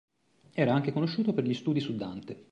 Era anche conosciuto per gli studi su Dante.